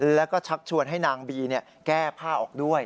แล้วก็ชักชวนให้นางบีแก้ผ้าออกด้วย